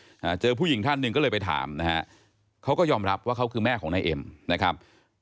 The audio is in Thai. อ่าเจอผู้หญิงท่านหนึ่งก็เลยไปถามนะฮะเขาก็ยอมรับว่าเขาคือแม่ของนายเอ็มนะครับ